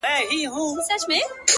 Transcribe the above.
چي د وگړو څه يې ټولي گناه كډه كړې’